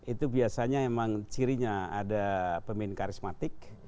itu biasanya emang cirinya ada pemain karismatik